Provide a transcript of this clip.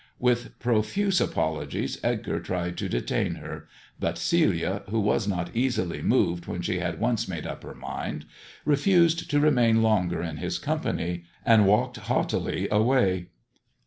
With profuse apologies Edgar tried to detain her, but Celia, who was not easily moved when she had once made up her mind, refused to remain longer in his company, and walked haughtily away.